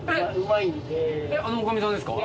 あの女将さんですか？